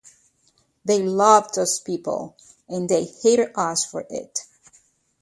They loved those people, and they hated us for it.